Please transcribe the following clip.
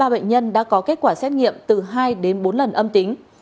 năm mươi ba bệnh nhân đã có kết quả xét nghiệm từ hai đến bốn lần âm tính